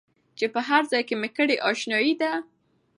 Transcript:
په هرځای کي چي مي کړې آشیانه ده